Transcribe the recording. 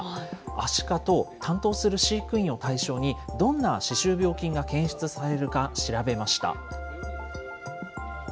アシカと担当する飼育員を対象に、どんな歯周病菌が検出されるか調べました。